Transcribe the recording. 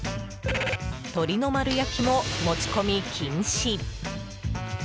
鶏の丸焼きも持ち込み禁止。